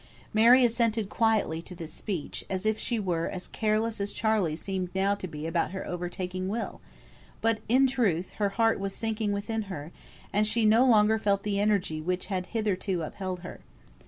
Mary assented quietly to this speech, as if she were as careless as Charley seemed now to be about her overtaking Will; but in truth her heart was sinking within her, and she no longer felt the energy which had hitherto upheld her.